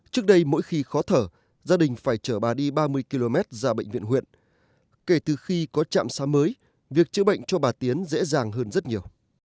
trước đây mỗi khi khó thở gia đình phải chở bà đi ba mươi km ra bệnh viện huyện kể từ khi có trạm xá mới việc chữa bệnh cho bà tiến dễ dàng hơn rất nhiều